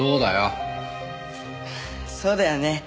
そうだよね！